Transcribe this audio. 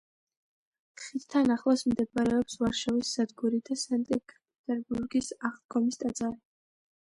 ხიდთან ახლოს მდებარეობს ვარშავის სადგური და სანქტ-პეტერბურგის აღდგომის ტაძარი.